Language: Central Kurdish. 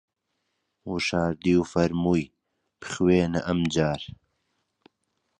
وشاردی و فەرمووی: بخوێنە ئەمجار